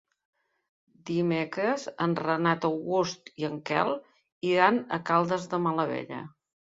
Dimecres en Renat August i en Quel iran a Caldes de Malavella.